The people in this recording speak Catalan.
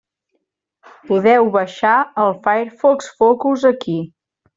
Podeu baixar el Firefox Focus aquí.